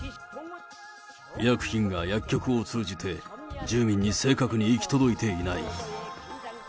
医薬品が薬局を通じて住民に正確に行き届いていない。